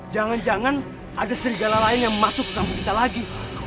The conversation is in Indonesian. jangan jangan ada serigala lain yang masuk ke kampung kita lagi